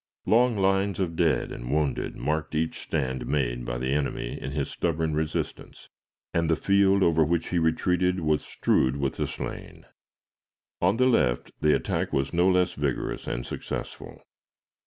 Long lines of dead and wounded marked each stand made by the enemy in his stubborn resistance, and the field over which he retreated was strewed with the slain. On the left, the attack was no less vigorous and successful.